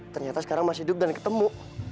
ternyata sekarang masih hidup dan ketemu